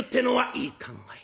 「いい考え。